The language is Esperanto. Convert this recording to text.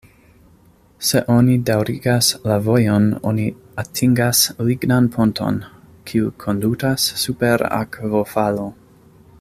Se oni daŭrigas la vojon oni atingas lignan ponton, kiu kondutas super akvofalo.